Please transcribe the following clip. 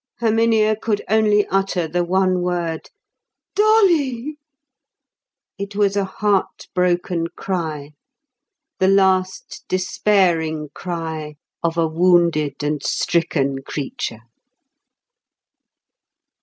Herminia could only utter the one word, "Dolly!" It was a heart broken cry, the last despairing cry of a wounded and stricken creature.